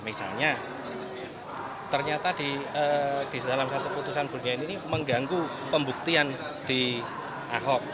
misalnya ternyata di dalam satu putusan budian ini mengganggu pembuktian di ahok